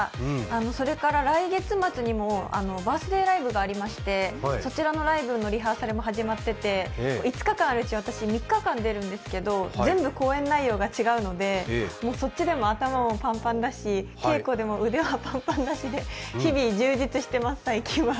それから来月末にもバースデーライブがありまして、そちらのライブのリハーサルも始まっていて、５日あるうち、私、３日間出るんですけど全部公演内容が違うのでそっちでも頭パンパンだし、稽古でも腕はパンパンだしで、日々充実しています、最近は。